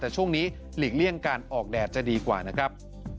แต่ช่วงนี้หลีกเลี่ยงการออกแดดจะดีกว่านะครับ